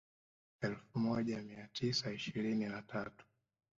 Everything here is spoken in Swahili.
Elfu elfu moja mia tisa ishirini na tatu